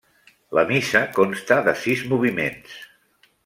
La missa consta de sis moviments.